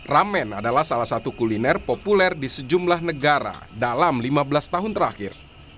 ramen adalah salah satu kuliner populer di sejumlah negara dalam lima belas tahun terakhir